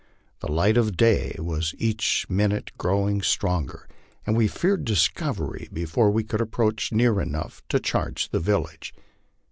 The light of day was each minute growing stronger, and we feared discovery before we could approach near enough to charge the village.